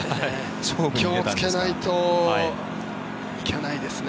気をつけないといけないですね。